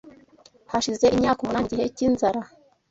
Hashize imyaka umunani, mu gihe cy’inzara